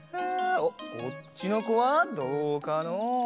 おっこっちのこはどうかのう。